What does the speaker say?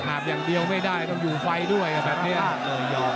อย่างเดียวไม่ได้ต้องอยู่ไฟด้วยแบบนี้